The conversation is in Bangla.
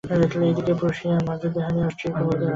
এ দিকে প্রুশিয়া মহাযুদ্ধে হারিয়ে অষ্ট্রীয়াকে বহুদূর হঠিয়ে দিলে।